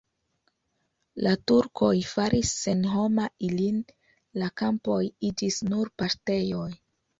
La turkoj faris senhoma ilin, la kampoj iĝis nur paŝtejoj.